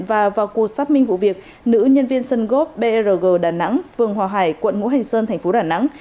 và vào cuộc sắp minh vụ việc nữ nhân viên sân góp brg đà nẵng phường hòa hải quận ngũ hành sơn tp đà nẵng